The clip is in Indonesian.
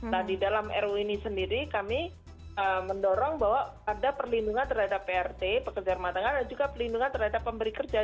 nah di dalam ru ini sendiri kami mendorong bahwa ada perlindungan terhadap prt pekerja rumah tangga dan juga perlindungan terhadap pemberi kerja